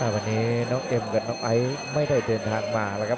วันนี้น้องเอ็มกับน้องไอซ์ไม่ได้เดินทางมาแล้วครับ